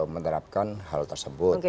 menerapkan hal tersebut